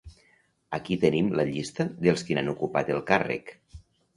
Aquí tenim la llista dels qui n'han ocupat el càrrec.